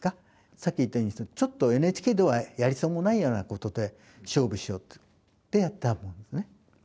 さっき言ったようにちょっとＮＨＫではやりそうもないようなことで勝負しようっていうんでやったんですね。